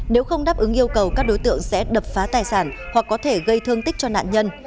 nếu không đáp ứng yêu cầu các đối tượng sẽ đập phá tài sản hoặc có thể gây thương tích cho nạn nhân